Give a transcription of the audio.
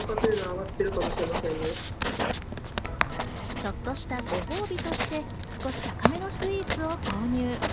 ちょっとしたご褒美として少し高めのスイーツを購入。